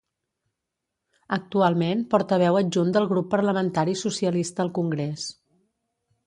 Actualment portaveu adjunt del Grup Parlamentari Socialista al Congrés.